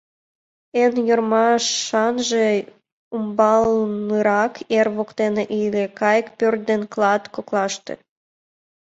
Эн ӧрмашанже умбалнырак, ер воктене ыле, кайык пӧрт ден клат коклаште.